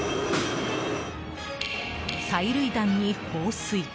催涙弾に、放水。